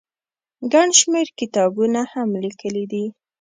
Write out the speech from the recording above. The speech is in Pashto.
ګڼ شمېر کتابونه هم ليکلي دي